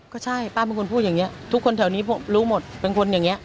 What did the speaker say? ก็ใช่ป้าเป็นคนพูดอย่างนี้ทุกคนแถวนี้รู้หมดเป็นคนอย่างนี้